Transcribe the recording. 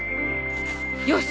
よし！